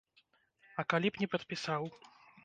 А калі б не падпісаў?